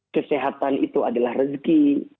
kesehatan itu adalah rezeki